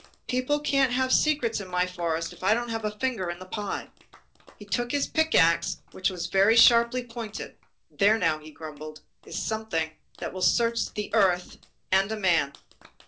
People can't have secrets in my forest if I don't have a finger in the pie." He took his pick axe which was very sharply pointed. "There now," he grumbled, "is something that will search the earth and a man."